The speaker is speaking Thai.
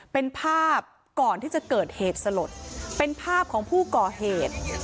เป็นภาพก่อนที่จะเกิดเหตุสลดเป็นภาพของผู้ก่อเหตุ